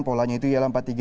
polanya itu ialah empat tiga